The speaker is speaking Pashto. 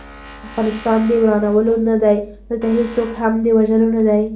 افغانستان د ورانولو نه دی، دلته هيڅوک هم د وژلو نه دی